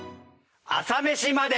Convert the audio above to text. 『朝メシまで。』。